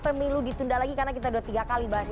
pemilu ditunda lagi karena kita udah tiga kali bahas